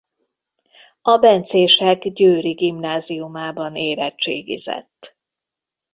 A bencések győri gimnáziumában érettségizett.